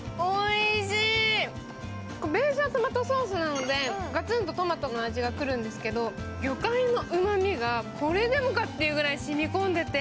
ベースはトマトソースなので、ガツンとトマトの味が来るんですけど、魚介のうまみが、これでもかというくらい染み込んでて。